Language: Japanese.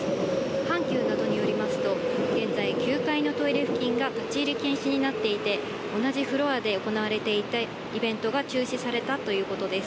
阪急などによりますと、現在、９階のトイレ付近が立ち入り禁止になっていて、同じフロアで行われていたイベントが中止されたということです。